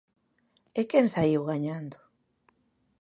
¿E quen saíu gañando?